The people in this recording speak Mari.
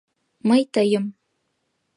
Мый тыйым...